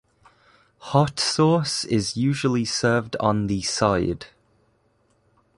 Hot sauce is usually served on the side.